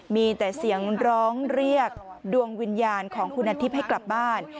มีแต่เสียงร้องเรียกดวงวิญญาณของคุณอาทิตย์ให้กลับบ้าน